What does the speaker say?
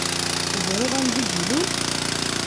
Teẓṛiḍ anda i d-ilul?